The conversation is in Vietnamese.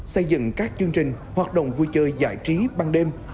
xây dựng các chương trình hoạt động vui chơi giải trí ban đêm